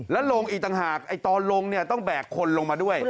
แล้วลงอีกต่างหากตอนลงเนี่ยต้องแบกคนลงมาด้วย